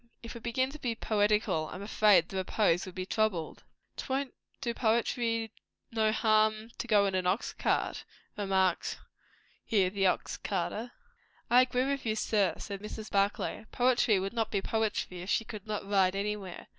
"If we began to be poetical, I am afraid the repose would be troubled." "'Twont du Poetry no harm to go in an ox cart," remarked here the ox driver. "I agree with you, sir," said Mrs. Barclay. "Poetry would not be Poetry if she could not ride anywhere.